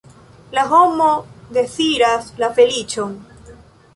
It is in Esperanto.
La homo deziras la feliĉon.